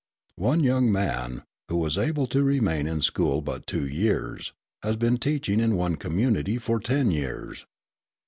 One young man, who was able to remain in school but two years, has been teaching in one community for ten years.